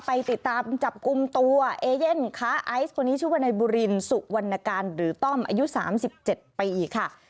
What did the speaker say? ไปติดตามจับกลุ่มตัวเอเย่นค้าไอซ์คนนี้ชื่อว่านายบุรินสุวรรณการหรือต้อมอายุ๓๗ปีค่ะ